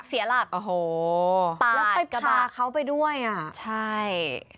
เสียหลักโอ้โหปาดกระบะแล้วไปพาเขาไปด้วยอ่ะใช่